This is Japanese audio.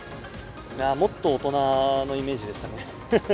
もっと大人のイメージでしたね。